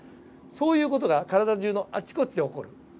そういう事が体中のあちこちで起こる。